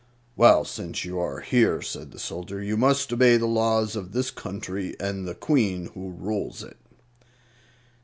"Well, since you are here," said the soldier, "you must obey the laws of this country and the Queen who rules it."